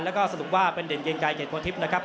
แล้วก็สรุปว่าเป็นเด่นเกียงไกรเกรดโพทิพย์นะครับ